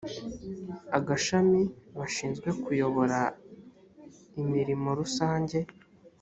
agashami bashinzwe kuyobora imirimo rusange